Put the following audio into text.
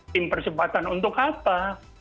tim persempatan untuk apa